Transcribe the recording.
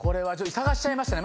捜しちゃいましたね。